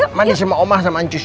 ya mandi sama oma sama ncus